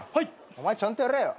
お前ちゃんとやれよ。